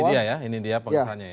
ini dia ya